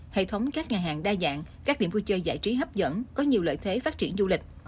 hệ thống các nhà hàng đa dạng các điểm vui chơi giải trí hấp dẫn có nhiều lợi thế phát triển du lịch